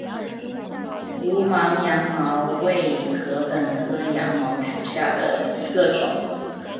无芒羊茅为禾本科羊茅属下的一个种。